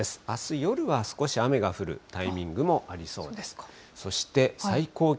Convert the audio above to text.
あす夜は、少し雨が降るタイミングもありそうです。